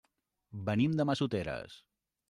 Venim de Massoteres.